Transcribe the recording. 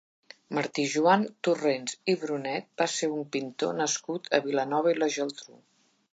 Martí Joan Torrents i Brunet va ser un pintor nascut a Vilanova i la Geltrú.